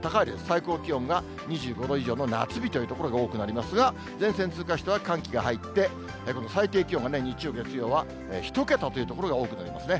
最高気温が２５度以上の夏日という所が多くなりますが、前線通過したら寒気が入って、今度最低気温が日曜、月曜は１桁という所が多くなりますね。